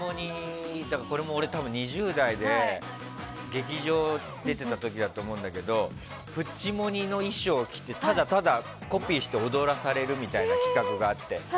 これ俺２０代で劇場出てた時だと思うんだけどプッチモニの衣装を着てただただコピーして踊らされるみたいな企画があって。